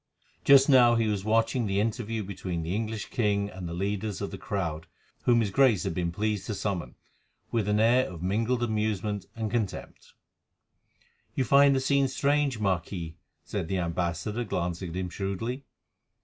Just now he was watching the interview between the English king and the leaders of the crowd whom his Grace had been pleased to summon, with an air of mingled amusement and contempt. "You find the scene strange, Marquis," said the ambassador, glancing at him shrewdly.